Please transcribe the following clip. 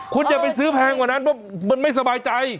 คุณอย่าไปซื้อแพงกว่านั้นเพราะมันไม่สบายใจ